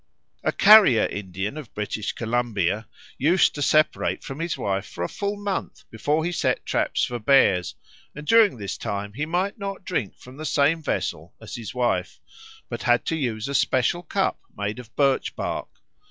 A Carrier Indian of British Columbia used to separate from his wife for a full month before he set traps for bears, and during this time he might not drink from the same vessel as his wife, but had to use a special cup made of birch bark.